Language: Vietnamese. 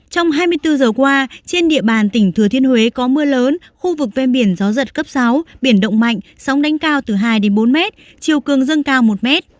trong hai mươi bốn giờ qua trên địa bàn tỉnh thừa thiên huế có mưa lớn khu vực ven biển gió giật cấp sáu biển động mạnh sóng đánh cao từ hai đến bốn mét chiều cường dâng cao một m